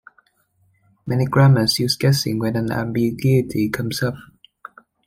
Many grammars use guessing when an ambiguity comes up.